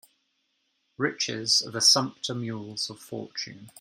Riches are the sumpter mules of fortune.